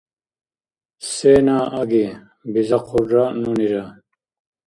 — Сена аги? — бизахъурра нунира.